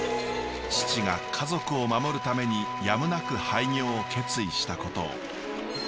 父が家族を守るためにやむなく廃業を決意したことを。